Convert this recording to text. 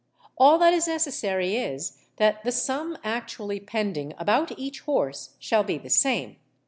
All that is necessary is, that the sum actually pending about each horse shall be the same.